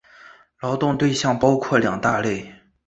劳动对象包括两大类。